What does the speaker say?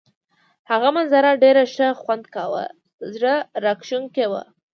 هغه منظره ډېر ښه خوند کاوه، زړه راښکونکې وه.